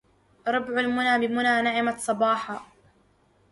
ربع المنى بمنى نعمت صباحا